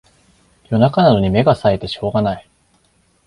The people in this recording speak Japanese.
夜中なのに目がさえてしょうがない